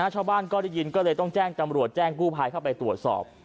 ชาวบ้านก็ได้ยินก็เลยต้องแจ้งตำรวจแจ้งกู้ภัยเข้าไปตรวจสอบ